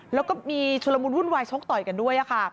แล้วก็มีชุลมุนวุ่นวายชกต่อยกันด้วยค่ะ